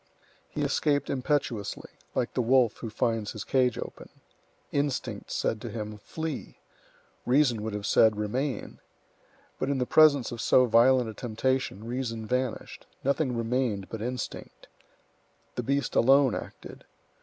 He escaped impetuously, like the wolf who finds his cage open. Instinct said to him, "Flee!" Reason would have said, "Remain!" But in the presence of so violent a temptation, reason vanished; nothing remained but instinct. The beast alone acted.